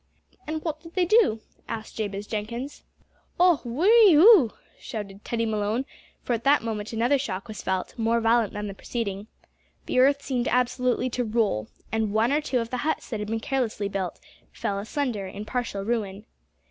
"And what did they do?" asked Jabez Jenkins. "Och, whirri hoo!" shouted Teddy Malone, for at that moment another shock was felt, more violent than the preceding. The earth seemed absolutely to roll, and one or two of the huts that had been carelessly built, fell asunder in partial ruin.